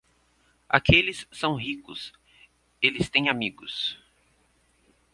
Aqueles são ricos, eles têm amigos.